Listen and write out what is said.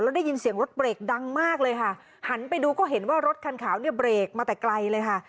ได้ยินเสียงรถเบรกดังมากเลยค่ะหันไปดูก็เห็นว่ารถคันขาวเนี่ยเบรกมาแต่ไกลเลยค่ะ